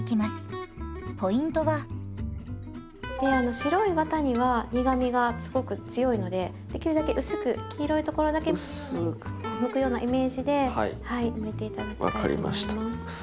白いワタには苦みがすごく強いのでできるだけ薄く黄色いところだけむくようなイメージでむいて頂きたいと思います。